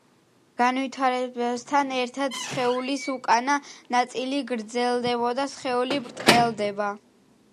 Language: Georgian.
განვითარებასთან ერთად სხეულის უკანა ნაწილი გრძელდება, სხეული ბრტყელდება.